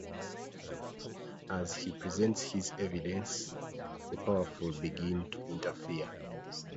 As he presents his evidence, the powerful begin to interfere.